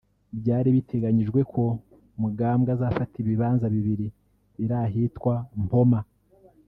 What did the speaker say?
Byari biteganyijwe ko Mugambwa azafata ibibanza bibiri biri ahitwa Mpoma